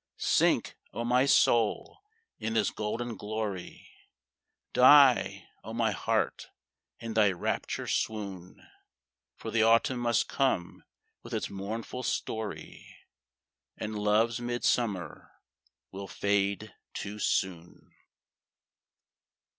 Sink, O my soul, in this golden glory, Die, O my heart, in thy rapture swoon, For the Autumn must come with its mournful story, And Love's midsummer will fade too soon.